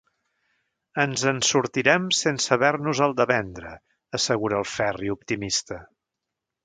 Ens en sortirem sense haver-nos-el de vendre –assegura el Ferri, optimista–.